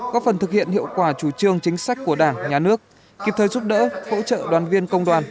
có phần thực hiện hiệu quả chủ trương chính sách của đảng nhà nước kịp thời giúp đỡ hỗ trợ đoàn viên công đoàn